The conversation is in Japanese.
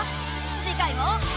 次回も。